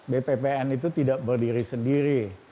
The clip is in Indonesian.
bppn itu tidak berdiri sendiri